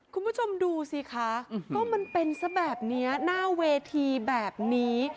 คุณผู้ชมดูสิคะก็มันเป็นซะแบบนี้หน้าเวทีแบบนี้